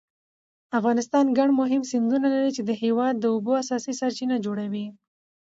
افغانستان ګڼ مهم سیندونه لري چې د هېواد د اوبو اساسي سرچینې جوړوي.